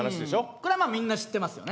これはまあみんな知ってますよね。